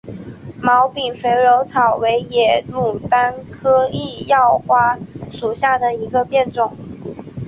毛柄肥肉草为野牡丹科异药花属下的一个变种。